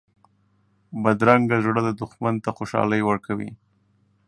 بدرنګه زړه دښمن ته خوشحالي ورکوي